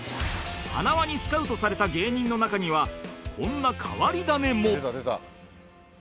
塙にスカウトされた芸人の中にはこんな変わり種も